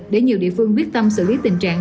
để nhiều địa phương quyết tâm xử lý tình trạng